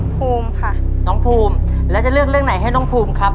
ภูมิค่ะน้องภูมิแล้วจะเลือกเรื่องไหนให้น้องภูมิครับ